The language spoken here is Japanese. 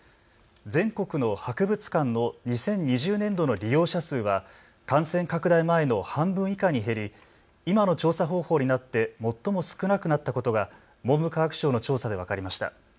全国の博物館の２０２０年度の利用者数は感染拡大前の半分以下に減り今の調査方法になって最も少なくなったことが文部科学省の調査で分かりました。